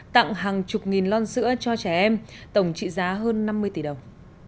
tặng hàng chục nghìn lon sữa cho trẻ em tổng trị giá hơn năm mươi tỷ đồng